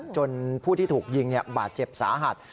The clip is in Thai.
จนผู้ที่ถูกยิงบาดเจ็บสาหัส